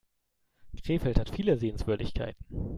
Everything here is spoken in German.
Krefeld hat viele Sehenswürdigkeiten